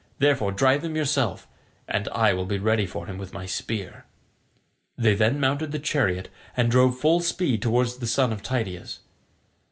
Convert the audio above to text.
Therefore drive them yourself and I will be ready for him with my spear." They then mounted the chariot and drove full speed towards the son of Tydeus.